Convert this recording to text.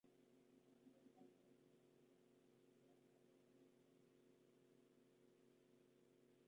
Un estándar tiene mayor resolución temporal cuando mayor sea su frecuencia de exploración.